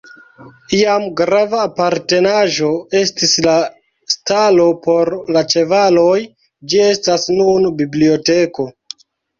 Iam grava apartenaĵo estis la stalo por la ĉevaloj, ĝi estas nun biblioteko.